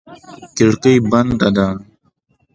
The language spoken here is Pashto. کړکۍ بنده ده.